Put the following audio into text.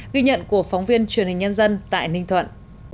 ghi nhận của phóng viên truyền hình nhân dân tại ninh thuận